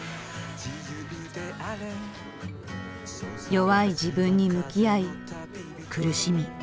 弱い自分に向き合い苦しみ